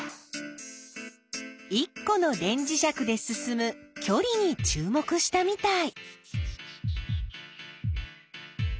１この電磁石で進むきょりに注目したみたい。